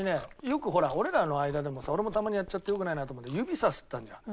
よく俺らの間でもさ俺もたまにやっちゃって良くないなと思うんだけど指さすってあるじゃん。